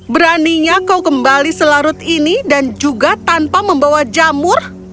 beraninya kau kembali selarut ini dan juga tanpa membawa jamur